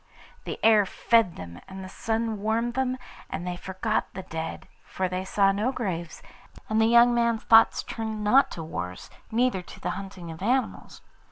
The air fed them and the sun warmed them, and they forgot the dead, for they saw no graves, and the young man's thoughts turned not to wars, neither to the hunting of animals.